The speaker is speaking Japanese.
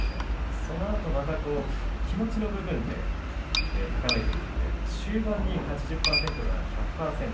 そのあとまた気持ちの部分で高めていって終盤に８０％から１００％